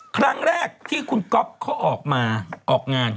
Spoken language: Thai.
ครั้งแรกที่คุณก๊อฟเขาออกมาออกงาน